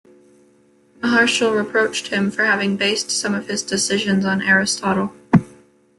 Maharshal reproached him for having based some of his decisions on Aristotle.